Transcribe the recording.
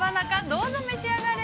どうぞ召し上がれ。